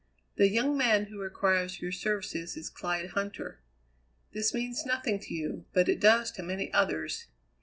The young man who requires your services is Clyde Huntter. This means nothing to you, but it does to many others.